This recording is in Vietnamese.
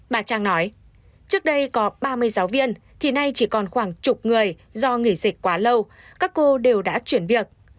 bà trang nói trước đây có ba mươi giáo viên thì nay chỉ còn khoảng chục người do nghỉ dịch quá lâu các cô đều đã chuyển việc